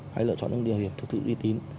hãy lựa chọn những điều hiểm thật sự uy tín